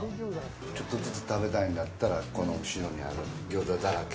ちょっとずつ食べたいんだったら、この後ろにある、ぎょうざだらけ。